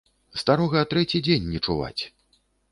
Старога трэці дзень не чуваць!